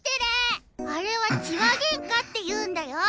あれは痴話げんかって言うんだよ。